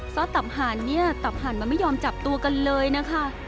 ซ่อสับหรี่หยามันไม่ยอมจับตัวกันเลยนะครับ